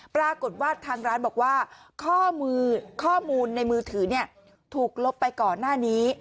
ปรากฏวาดทางร้านบอกว่าข้อมูลในมือถือเนี่ยถูกลบไปก่อนหน้านี้